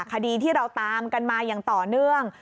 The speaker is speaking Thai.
คดีที่เราตามกันมาอย่างต่อเนื่อง